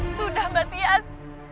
sudah mbak tiaz